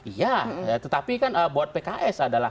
iya tetapi kan buat pks adalah